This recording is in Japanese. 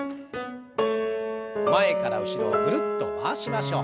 前から後ろをぐるっと回しましょう。